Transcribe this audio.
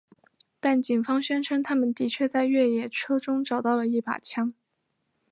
但警方宣称他们的确在越野车中找到了一把枪。